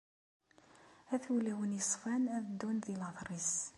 At wulawen yeṣfan ad ddun di later-is.